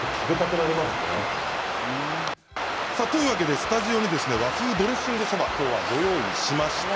スタジオに和風ドレッシングそばを今日はご用意しました。